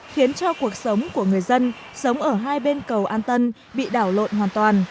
khiến cho cuộc sống của người dân sống ở hai bên cầu an tân bị đảo lộn hoàn toàn